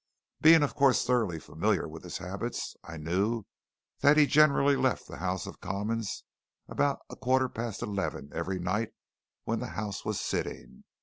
Being, of course, thoroughly familiar with his habits, I knew that he generally left the House of Commons about a quarter past eleven, every night when the House was sitting.